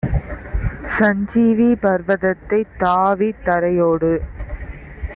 சஞ்சீவி பர்வதத்தைத் தாவித் தரையோடு